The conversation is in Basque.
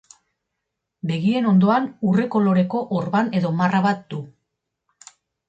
Begien ondoan urre koloreko orban edo marra bat du.